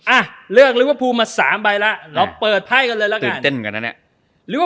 อ่ะเลือกฮูมา๓ใบละเราเปิดไพ่กันเลยละกันตื่นเต้นกันนะเนี่ย